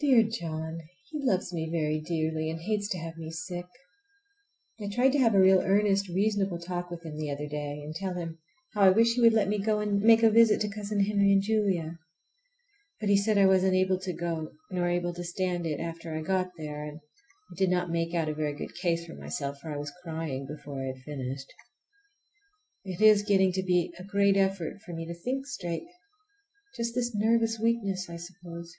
Dear John! He loves me very dearly, and hates to have me sick. I tried to have a real earnest reasonable talk with him the other day, and tell him how I wish he would let me go and make a visit to Cousin Henry and Julia. But he said I wasn't able to go, nor able to stand it after I got there; and I did not make out a very good case for myself, for I was crying before I had finished. It is getting to be a great effort for me to think straight. Just this nervous weakness, I suppose.